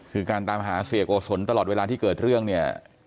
คือการตามหาเสียโกศลตลอดเวลาที่เกิดเรื่องเนี่ย